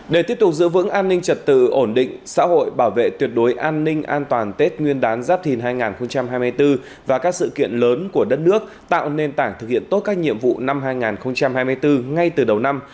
để tiếp tục giữ vững an ninh trật tự ổn định xã hội bảo vệ tuyệt đối an ninh an toàn tết nguyên đán giáp thìn hai nghìn hai mươi bốn và các sự kiện lớn của đất nước tạo nền tảng thực hiện tốt các nhiệm vụ năm hai nghìn hai mươi bốn ngay từ đầu năm